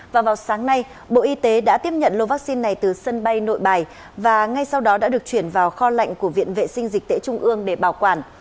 và vào sáng nay bộ y tế đã tiếp nhận lô vaccine này từ sân bay nội bài và ngay sau đó đã được chuyển vào kho lạnh của viện vệ sinh dịch tễ trung ương để bảo quản